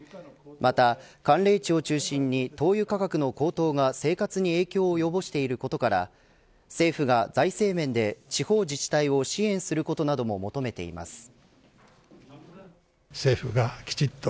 また寒冷地を中心に灯油価格の高騰が生活に影響をおよぼしていることから政府が財政面で、地方自治体を支援することなども求めています。